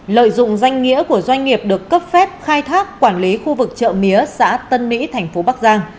lợi dụng danh nghĩa của doanh nghiệp được cấp phép khai thác quản lý khu vực chợ mía xã tân mỹ thành phố bắc giang